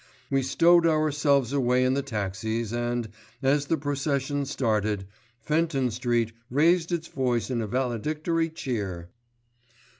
We stowed ourselves away in the taxis and, as the procession started, Fenton Street raised its voice in a valedictory cheer.